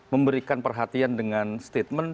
memberikan perhatian dengan statement